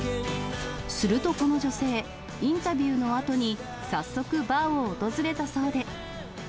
するとこの女性、インタビューのあとに早速バーを訪れたそうで。